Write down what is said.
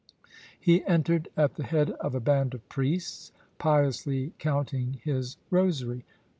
He entered at the head of a band of priests, piously counting his rosary.